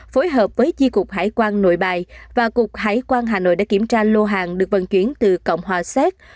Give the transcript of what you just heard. phối hợp với chi cục hải quan nội bài và cục hải quan hà nội đã kiểm tra lô hàng được vận chuyển từ cộng hòa xét